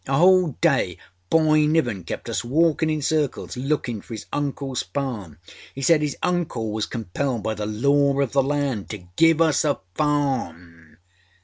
A whole day Boy Niven kept us walkinâ in circles lookinâ for âis uncleâs farm! He said his uncle was compelled by the law of the land to give us a farm!